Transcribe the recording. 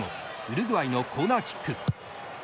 ウルグアイのコーナーキック。